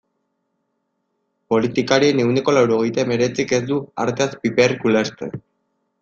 Politikarien ehuneko laurogeita hemeretzik ez du arteaz piperrik ulertzen.